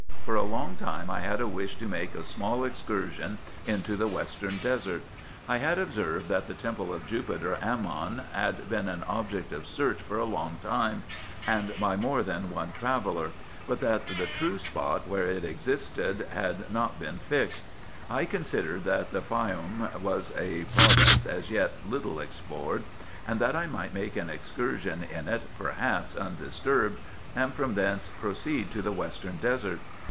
For a long time I had a wish to make a small excursion into the western desert. I had observed that the temple of Jupiter Ammon had been an object of search for a long time, and by more than one IN EGYPT, NUBIA, &c. 377 traveller, but that the true spot where it existed had not been fixed. I considered that the Faioum was a province as yet little explored, and that I might make an excursion in it perhaps undisturbed, and from thence proceed to the western desert.